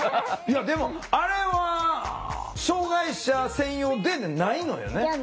いやでもあれは障害者専用でないのよね？